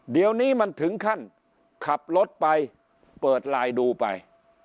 เดี๋ยวนี้มันถึงขั้นขับรถไปเปิดไลน์ดูไป